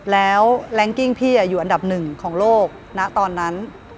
แล้วแรงกิ้งพี่อยู่อันดับหนึ่งของโลกณตอนนั้น